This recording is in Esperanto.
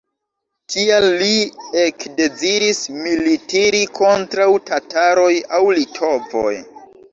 Tial li ekdeziris militiri kontraŭ tataroj aŭ litovoj!